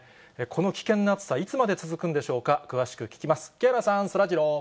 この危険な暑さ、いつまで続くんでしょうか、詳しく聞きます。